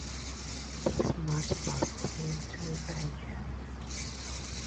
This match passed into legend.